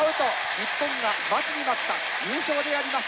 日本が待ちに待った優勝であります。